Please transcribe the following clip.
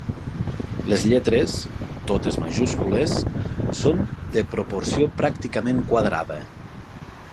Les lletres, totes majúscules, són de proporció pràcticament quadrada.